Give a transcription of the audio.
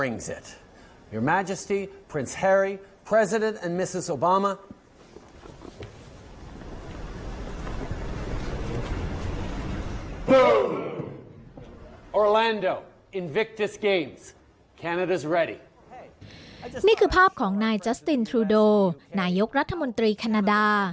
นี่คือภาพของนายจัสตินทรูโดนายกรัฐมนตรีแคนาดา